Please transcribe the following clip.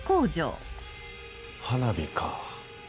花火か。